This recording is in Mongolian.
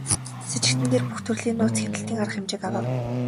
Сэжигтэн дээр бүх төрлийн нууц хяналтын арга хэмжээг авав.